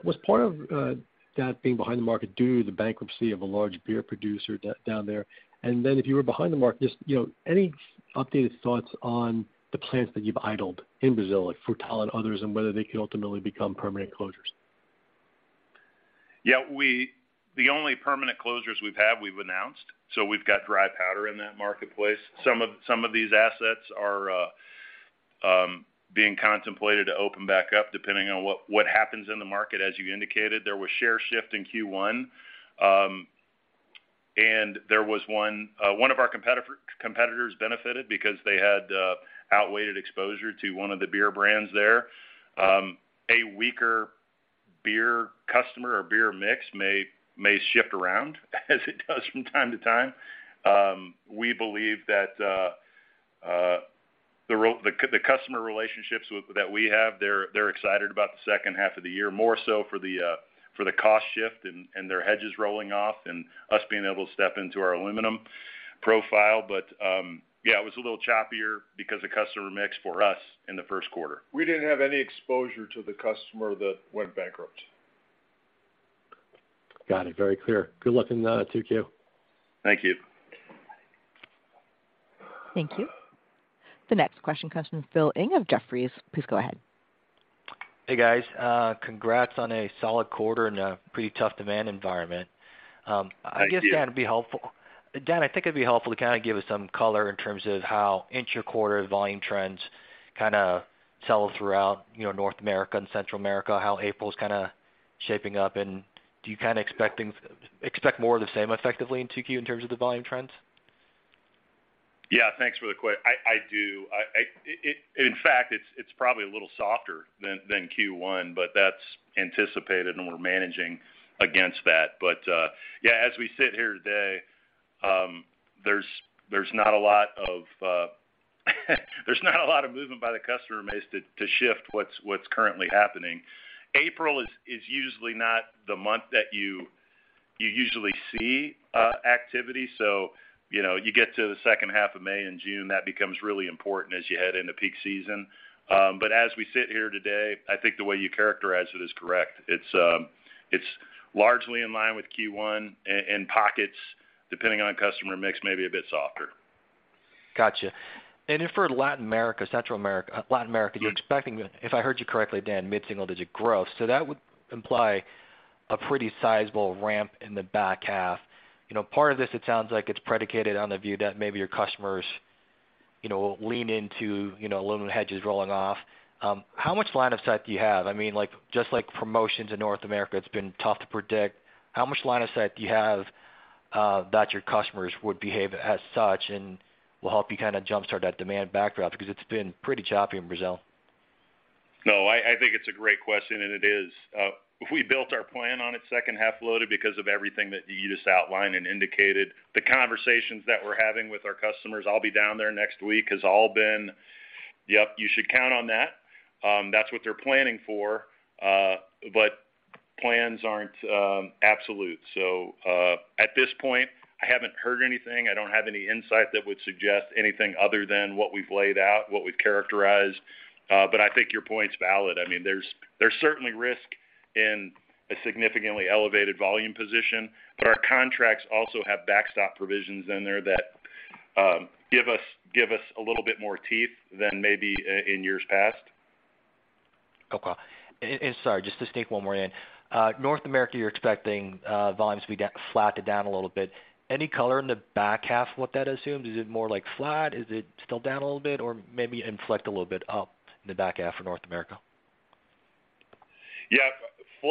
Was part of that being behind the market due to the bankruptcy of a large beer producer down there? And then if you were behind the market, just, you know, any updated thoughts on the plants that you've idled in Brazil, like Frutal and others, and whether they could ultimately become permanent closures? Yeah. The only permanent closures we've had, we've announced, so we've got dry powder in that marketplace. Some of these assets are being contemplated to open back up depending on what happens in the market. As you indicated, there was share shift in Q1. There was one of our competitors benefited because they had outweighed exposure to one of the beer brands there. A weaker beer customer or beer mix may shift around as it does from time to time. We believe that the customer relationships that we have, they're excited about the second half of the year, more so for the cost shift and their hedges rolling off and us being able to step into our aluminum profile. Yeah, it was a little choppier because of customer mix for us in the first quarter. We didn't have any exposure to the customer that went bankrupt. Got it. Very clear. Good luck in 2Q. Thank you. Thank you. The next question comes from Philip Ng of Jefferies. Please go ahead. Hey, guys. congrats on a solid quarter in a pretty tough demand environment. Thank you. I guess that'd be helpful. Dan, I think it'd be helpful to kind of give us some color in terms of how inter-quarter volume trends kind of settle throughout, you know, North America and Central America, how April's kind of shaping up, and do you kind of expect more of the same effectively in 2Q in terms of the volume trends? Yeah. Thanks for the I do. In fact, it's probably a little softer than Q1, that's anticipated, we're managing against that. Yeah, as we sit here today, there's not a lot of movement by the customer base to shift what's currently happening. April is usually not the month that you usually see activity. You know, you get to the second half of May and June, that becomes really important as you head into peak season. As we sit here today, I think the way you characterize it is correct. It's largely in line with Q1, and pockets, depending on customer mix, maybe a bit softer. Gotcha. Then for Latin America, Central America. Yeah. You're expecting, if I heard you correctly, Dan, mid-single-digit growth. That would imply a pretty sizable ramp in the back half. You know, part of this, it sounds like it's predicated on the view that maybe your customers, you know, lean into, you know, aluminum hedges rolling off. How much line of sight do you have? I mean, like, just like promotions in North America, it's been tough to predict. How much line of sight do you have that your customers would behave as such and will help you kinda jumpstart that demand backdrop because it's been pretty choppy in Brazil? No. I think it's a great question, it is. We built our plan on it second half loaded because of everything that you just outlined and indicated. The conversations that we're having with our customers, I'll be down there next week, has all been, "Yep, you should count on that." That's what they're planning for, but plans aren't absolute. At this point, I haven't heard anything. I don't have any insight that would suggest anything other than what we've laid out, what we've characterized. I think your point's valid. I mean, there's certainly risk in a significantly elevated volume position, but our contracts also have backstop provisions in there that give us a little bit more teeth than maybe in years past. Okay. Sorry, just to sneak one more in. North America, you're expecting volumes to be flat to down a little bit. Any color in the back half what that assumes? Is it more like flat? Is it still down a little bit or maybe inflect a little bit up in the back half for North America? Yeah.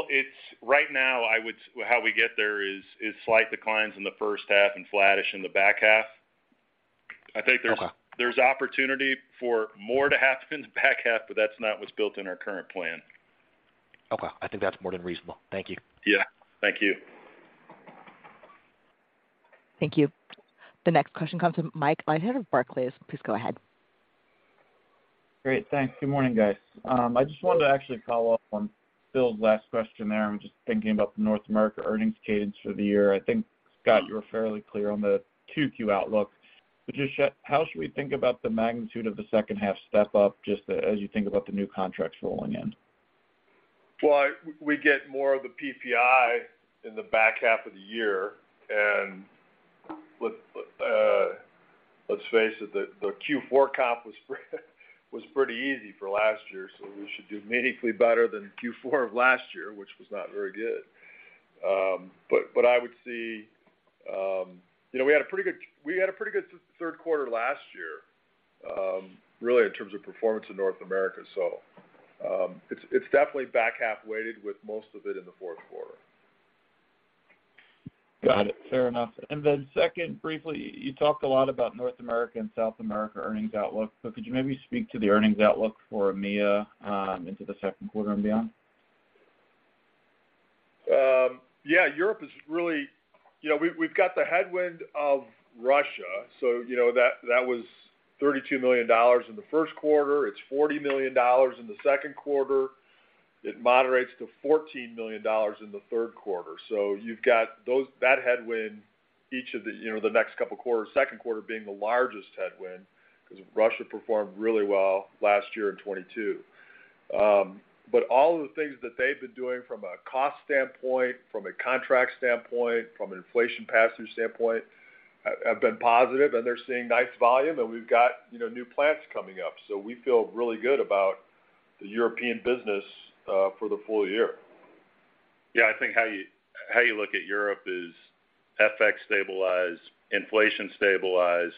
It's right now, how we get there is slight declines in the first half and flattish in the back half. I think there's- Okay. There's opportunity for more to happen in the back half, but that's not what's built in our current plan. Okay. I think that's more than reasonable. Thank you. Yeah. Thank you. Thank you. The next question comes from Mike Leithead of Barclays. Please go ahead. Great. Thanks. Good morning, guys. I just wanted to actually follow up on Bill's last question there. I'm just thinking about the North America earnings cadence for the year. I think, Scott, you were fairly clear on the 2Q outlook. But just how should we think about the magnitude of the second half step up just as you think about the new contracts rolling in? Well, we get more of the PPI in the back half of the year. Let's face it, the Q4 comp was pretty easy for last year, we should do meaningfully better than Q4 of last year, which was not very good. But I would see, you know, we had a pretty good third quarter last year, really in terms of performance in North America. It's definitely back half weighted with most of it in the fourth quarter. Got it. Fair enough. Second, briefly, you talked a lot about North America and South America earnings outlook, but could you maybe speak to the earnings outlook for EMEA into the second quarter and beyond? Yeah, Europe is really. You know, we've got the headwind of Russia. You know, that was $32 million in the first quarter. It's $40 million in the second quarter. It moderates to $14 million in the third quarter. You've got that headwind each of the, you know, the next couple quarters, second quarter being the largest headwind because Russia performed really well last year in 2022. All of the things that they've been doing from a cost standpoint, from a contract standpoint, from an inflation pass-through standpoint, have been positive, and they're seeing nice volume, and we've got, you know, new plants coming up. We feel really good about the European business for the full year. Yeah, I think how you, how you look at Europe is FX stabilize, inflation stabilize,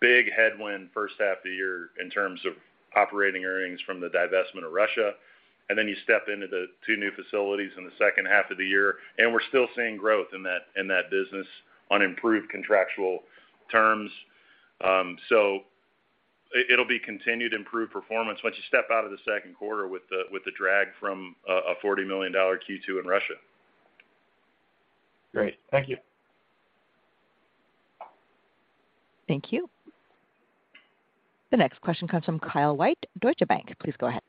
big headwind first half of the year in terms of operating earnings from the divestment of Russia. You step into the two new facilities in the second half of the year, and we're still seeing growth in that, in that business on improved contractual terms. It'll be continued improved performance once you step out of the second quarter with the, with the drag from a $40 million Q2 in Russia. Great. Thank you. Thank you. The next question comes from Kyle White, Deutsche Bank. Please go ahead.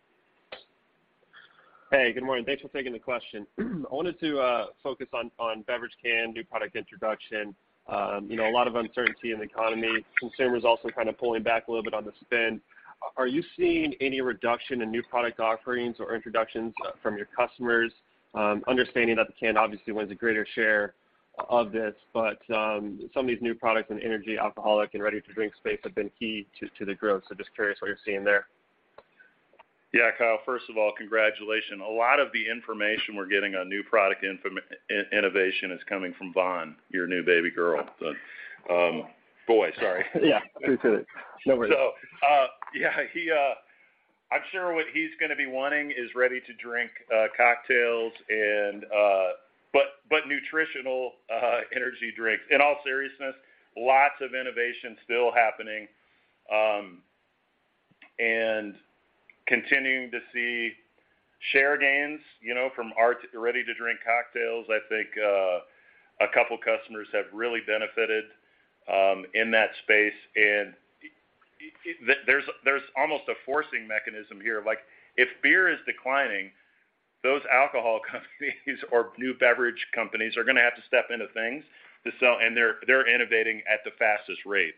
Hey, good morning. Thanks for taking the question. I wanted to focus on beverage can, new product introduction. You know, a lot of uncertainty in the economy. Consumers also kind of pulling back a little bit on the spend. Are you seeing any reduction in new product offerings or introductions from your customers? Understanding that the can obviously wins a greater share of this, but some of these new products in energy, alcoholic, and ready-to-drink space have been key to the growth. Just curious what you're seeing there. Yeah, Kyle, first of all, congratulations. A lot of the information we're getting on new product innovation is coming from Vaughn, your new baby girl. boy, sorry. Yeah. Appreciate it. No worries. Yeah, he. I'm sure what he's gonna be wanting is ready-to-drink cocktails and nutritional energy drinks. In all seriousness, lots of innovation still happening, and continuing to see share gains, you know, from our ready-to-drink cocktails. I think a couple customers have really benefited in that space. There's almost a forcing mechanism here. Like, if beer is declining, those alcohol companies or new beverage companies are gonna have to step into things to sell, and they're innovating at the fastest rate.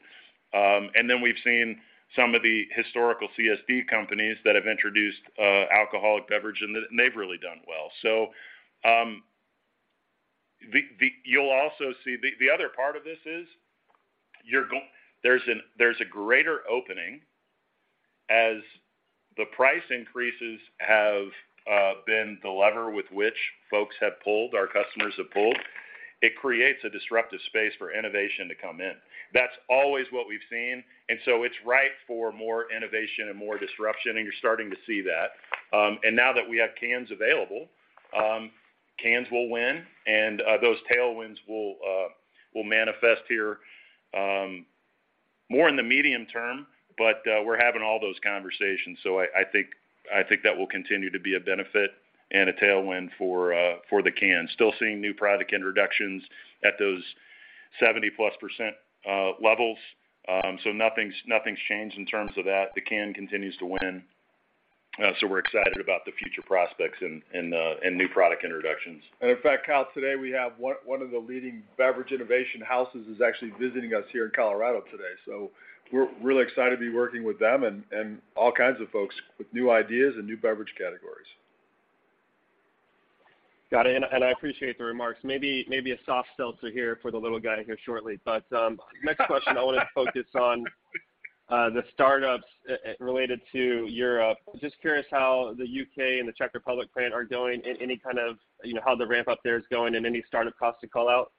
We've seen some of the historical CSD companies that have introduced alcoholic beverage, and they've really done well. The other part of this is, there's a greater opening as the price increases have been the lever with which folks have pulled, our customers have pulled. It creates a disruptive space for innovation to come in. That's always what we've seen. It's ripe for more innovation and more disruption, and you're starting to see that. Now that we have cans available, cans will win, those tailwinds will manifest here more in the medium term, we're having all those conversations. I think that will continue to be a benefit and a tailwind for the can. Still seeing new product introductions at those 70+% levels. Nothing's changed in terms of that. The can continues to win. We're excited about the future prospects and new product introductions. In fact, Kyle, today we have one of the leading beverage innovation houses is actually visiting us here in Colorado today. We're really excited to be working with them and all kinds of folks with new ideas and new beverage categories. Got it. I appreciate the remarks. Maybe a soft seltzer here for the little guy here shortly. Next question I want to focus on the startups related to Europe. Just curious how the U.K. and the Czech Republic plant are doing and any kind of, you know, how the ramp-up there is going and any startup costs to call out?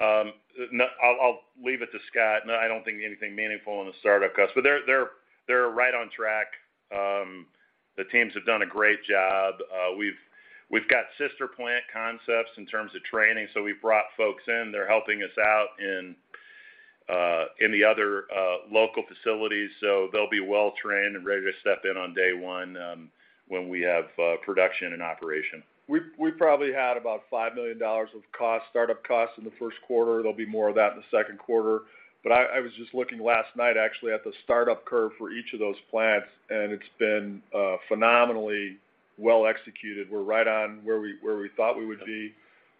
No, I'll leave it to Scott. No, I don't think anything meaningful on the startup cost. They're right on track. The teams have done a great job. We've got sister plant concepts in terms of training, so we've brought folks in. They're helping us out in the other local facilities, so they'll be well-trained and ready to step in on day one, when we have production and operation. We probably had about $5 million of cost, startup costs in the first quarter. There'll be more of that in the second quarter. I was just looking last night, actually, at the startup curve for each of those plants, and it's been phenomenally well-executed. We're right on where we thought we would be,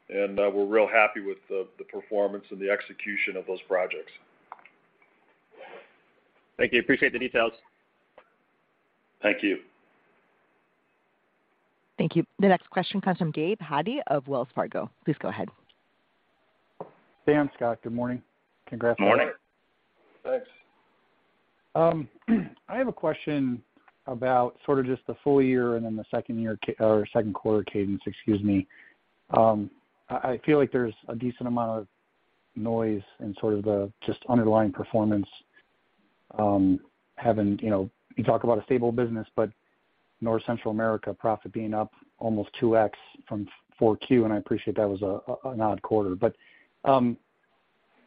and we're real happy with the performance and the execution of those projects. Thank you. Appreciate the details. Thank you. Thank you. The next question comes from Gabe Hajde of Wells Fargo. Please go ahead. Dan, Scott, good morning. Congrats. Morning. Thanks. I have a question about sort of just the full year and then the second quarter cadence, excuse me. I feel like there's a decent amount of noise in sort of the just underlying performance, having, you know, you talk about a stable business, but North Central America profit being up almost 2x from 4Q, and I appreciate that was an odd quarter.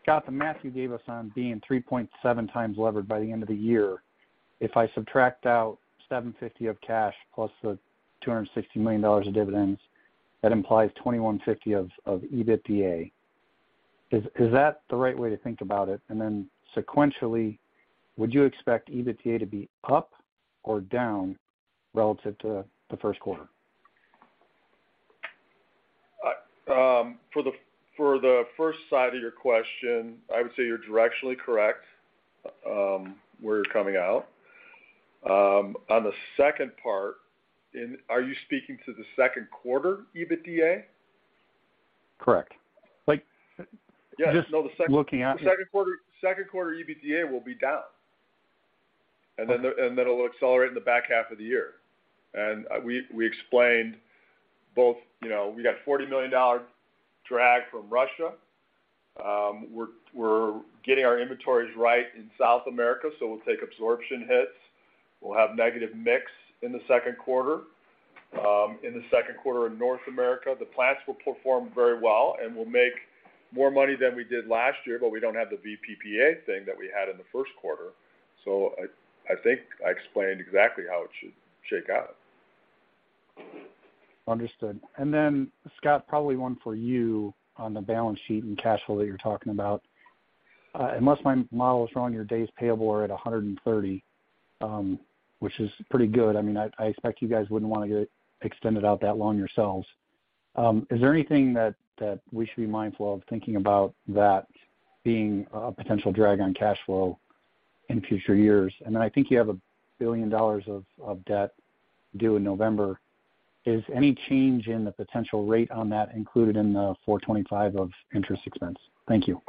Scott, the math you gave us on being 3.7x levered by the end of the year, if I subtract out $750 of cash plus the $260 million of dividends, that implies $2,150 of EBITDA. Is that the right way to think about it? Sequentially, would you expect EBITDA to be up or down relative to the first quarter? I, for the first side of your question, I would say you're directionally correct, where you're coming out. On the second part, are you speaking to the second quarter EBITDA? Correct. Yeah. No, the second- Just looking at it. The second quarter EBITDA will be down. Okay. It'll accelerate in the back half of the year. We explained both, you know, we got a $40 million drag from Russia. We're getting our inventories right in South America, so we'll take absorption hits. We'll have negative mix in the second quarter. In the second quarter in North America, the plants will perform very well, and we'll make more money than we did last year, but we don't have the VPPA thing that we had in the first quarter. I think I explained exactly how it should shake out. Understood. Scott, probably one for you on the balance sheet and cash flow that you're talking about. Unless my model is wrong, your days payable are at 130, which is pretty good. I mean, I expect you guys wouldn't wanna get extended out that long yourselves. Is there anything that we should be mindful of thinking about that being a potential drag on cash flow in future years? I think you have a $1 billion of debt due in November. Is any change in the potential rate on that included in the $425 of interest expense? Thank you.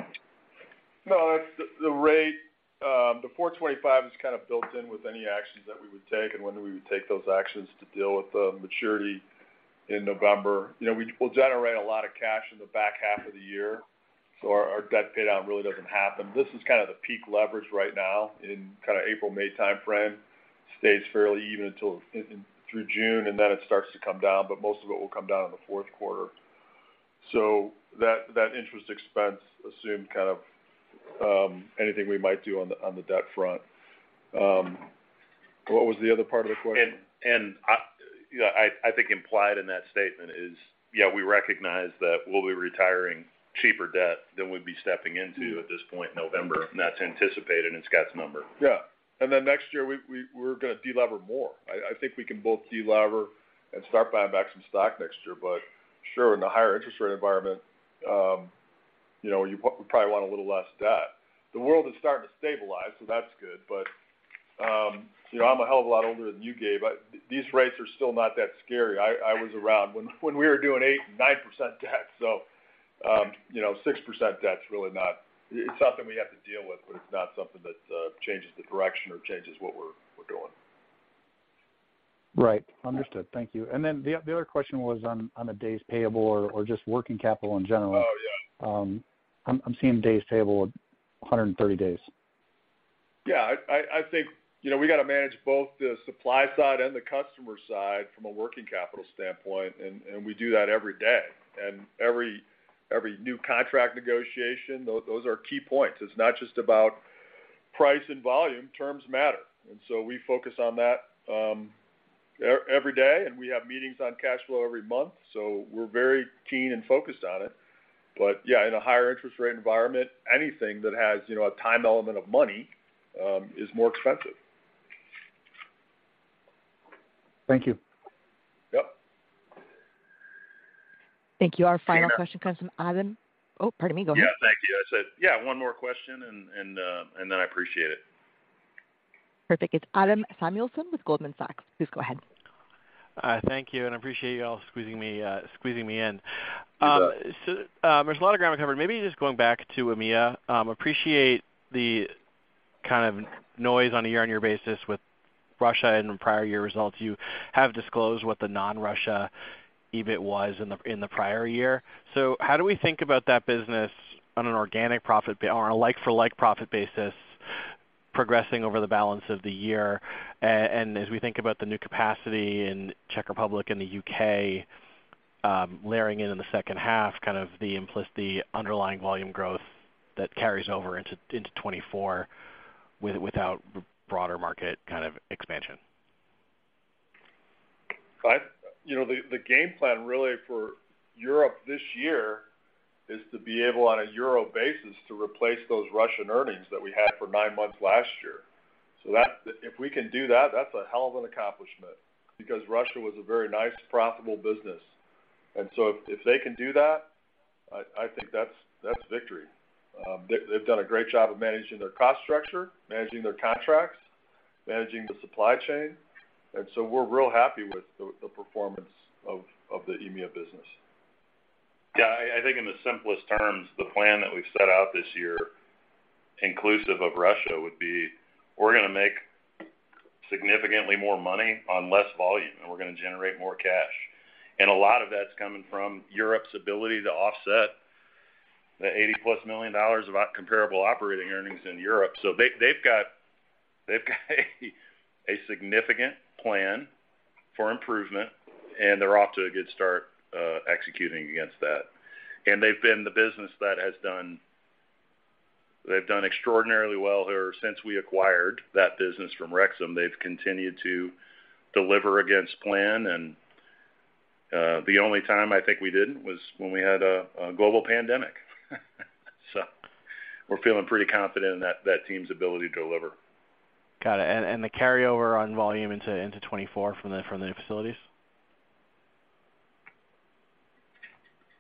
No, it's the rate. The 425 is kind of built in with any actions that we would take and when we would take those actions to deal with the maturity in November. You know, we'll generate a lot of cash in the back half of the year, so our debt pay down really doesn't happen. This is kind of the peak leverage right now in kind of April, May timeframe. Stays fairly even until through June, and then it starts to come down, but most of it will come down in the fourth quarter. That interest expense assumed kind of anything we might do on the debt front. What was the other part of the question? You know, I think implied in that statement is, yeah, we recognize that we'll be retiring cheaper debt than we'd be stepping into at this point in November, and that's anticipated in Scott's number. Yeah. Next year, we're gonna delever more. I think we can both delever and start buying back some stock next year, sure, in a higher interest rate environment, you know, you probably want a little less debt. The world is starting to stabilize, that's good. You know, I'm a hell of a lot older than you, Gabe. These rates are still not that scary. I was around when we were doing 8%, 9% debt. You know, 6% debt's really not... It's something we have to deal with, but it's not something that changes the direction or changes what we're doing. Right. Understood. Thank you. Then the other question was on the days payable or just working capital in general. Oh, yeah. I'm seeing days payable at 130 days. Yeah. I think, you know, we gotta manage both the supply side and the customer side from a working capital standpoint, and we do that every day. Every new contract negotiation, those are key points. It's not just about price and volume, terms matter. We focus on that every day, and we have meetings on cash flow every month. We're very keen and focused on it. Yeah, in a higher interest rate environment, anything that has, you know, a time element of money, is more expensive. Thank you. Yep. Thank you. Our final question comes from Adam... Oh, pardon me. Go ahead. Yeah. Thank you. I said, yeah, one more question and then I appreciate it. Perfect. It's Adam Samuelson with Goldman Sachs. Please go ahead. Thank you, I appreciate y'all squeezing me in. You bet. There's a lot of ground we covered. Maybe just going back to EMEA. Appreciate the kind of noise on a year-on-year basis with Russia and the prior year results. You have disclosed what the non-Russia EBIT was in the prior year. How do we think about that business on an organic profit on a like-for-like profit basis? Progressing over the balance of the year, as we think about the new capacity in Czech Republic and the U.K., layering in the second half, kind of the underlying volume growth that carries over into 2024 without broader market kind of expansion. You know, the game plan really for Europe this year is to be able on a euro basis to replace those Russian earnings that we had for nine months last year. If we can do that's a hell of an accomplishment because Russia was a very nice, profitable business. If they can do that, I think that's victory. They've done a great job of managing their cost structure, managing their contracts, managing the supply chain. We're real happy with the performance of the EMEA business. Yeah. I think in the simplest terms, the plan that we've set out this year, inclusive of Russia, would be we're gonna make significantly more money on less volume, and we're gonna generate more cash. A lot of that's coming from Europe's ability to offset the $80+ million of comparable operating earnings in Europe. They've got a significant plan for improvement, and they're off to a good start executing against that. They've been the business that they've done extraordinarily well here since we acquired that business from Rexam. They've continued to deliver against plan. The only time I think we didn't was when we had a global pandemic. We're feeling pretty confident in that team's ability to deliver. Got it. The carryover on volume into 2024 from the new facilities?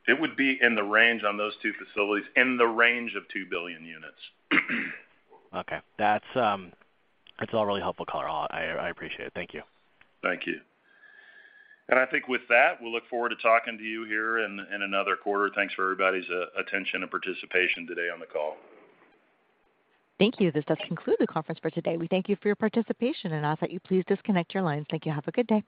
It would be in the range on those two facilities, in the range of 2 billion units. Okay. That's. It's all really helpful color. I appreciate it. Thank you. Thank you. I think with that, we'll look forward to talking to you here in another quarter. Thanks for everybody's attention and participation today on the call. Thank you. This does conclude the conference for today. We thank you for your participation, and ask that you please disconnect your lines. Thank you. Have a good day.